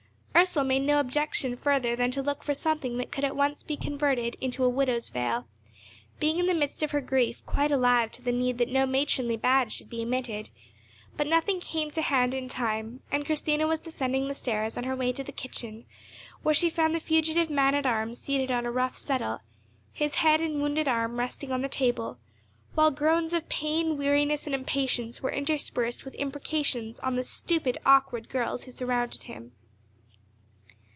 Ursel made no objection further than to look for something that could be at once converted into a widow's veil—being in the midst of her grief quite alive to the need that no matronly badge should be omitted—but nothing came to hand in time, and Christina was descending the stairs, on her way to the kitchen, where she found the fugitive man at arms seated on a rough settle, his head and wounded arm resting on the table, while groans of pain, weariness, and impatience were interspersed with imprecations on the stupid awkward girls who surrounded him.